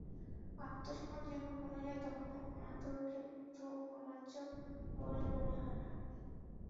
আত্মসন্মান যখন কমে যায় তখন অনাদরকে তো অন্যায্য বলে মনে হয় না।